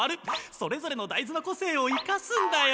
それぞれのだいずの個性を生かすんだよ。